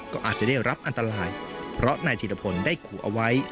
ก็อาจจะได้รับอันตรายเพราะนายธิรพลได้ขู่เอาไว้